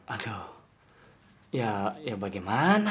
aduh ya bagaimana